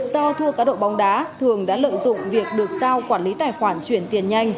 do thu các đội bóng đá thường đã lợi dụng việc được giao quản lý tài khoản chuyển tiền nhanh